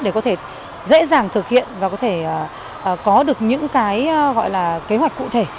để có thể dễ dàng thực hiện và có thể có được những kế hoạch cụ thể